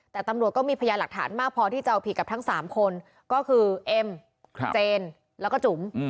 แต่ตำรวจก็มีพยานหลักฐานมากพอที่จะเอาผิดกับทั้ง๓คนก็คือเอ็มเจนแล้วก็จุ๋ม